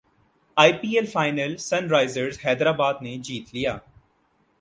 ائی P L final Sunrisers Hyderabad نے جیت لیا